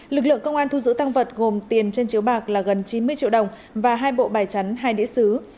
lực lượng công an thu giữ tăng vật gồm tiền trên chiếu bạc là gần chín mươi triệu đồng và hai bộ bài chắn hai đĩa xứ